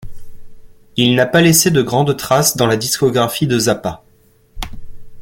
Il n'a pas laissé de grande trace dans la discographie de Zappa.